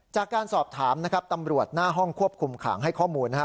จากการสอบถามนะครับตำรวจหน้าห้องควบคุมขังให้ข้อมูลนะครับ